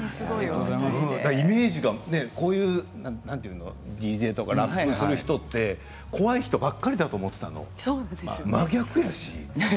イメージが、何ていうのＤＪとかラップをする人って怖い人ばかりだと思っていたの真逆だし。